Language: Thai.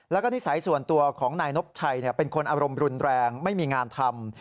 แล้วก็นิสัยส่วนตัวของนายนบชัยเป็นคนอารมณ์รุนแรงไม่มีงานทำ